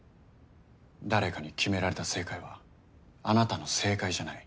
誰かに決められた正解はあなたの正解じゃない。